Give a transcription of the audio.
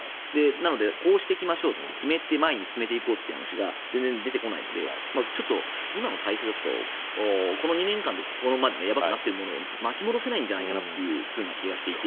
なのでこうしていきましょうと決めて前に進めていこうっていう話が全然出てこないので今の体制だとこの２年間でここまでやばくなっているものを巻き戻せないんじゃないかなという気がしていて。